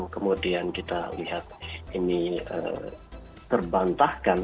kemudian kita lihat ini terbantahkan